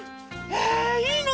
へえいいの？